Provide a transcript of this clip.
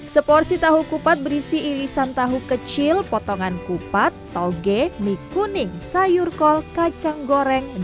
seporsi tahu kupat berisi irisan tahu kecil potongan kupat toge mie kuning sayur kol kacang goreng